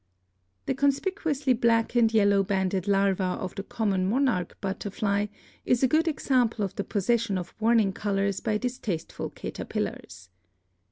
The conspicuously black and yellow banded larva of the common Monarch butterfly is a good example of the pos session of warning colors by distasteful caterpillars.